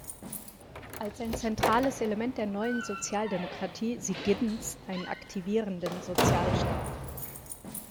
Als ein zentrales Element der neuen Sozialdemokratie sieht Giddens einen aktivierenden Sozialstaat.